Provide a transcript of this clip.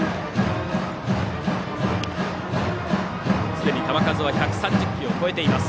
すでに球数１３０球を超えています。